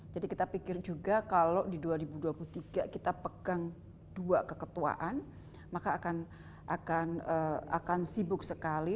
jadi kita pikir juga kalau di dua ribu dua puluh tiga kita pegang dua keketuaan maka akan sibuk sekali